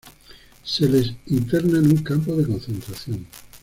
Se les interna en un campo de concentración.